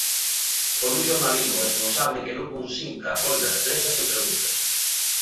Por un xornalismo responsable que non consinta roldas de prensa sen preguntas.